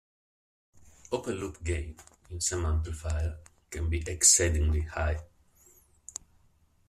Open loop gain, in some amplifiers, can be exceedingly high.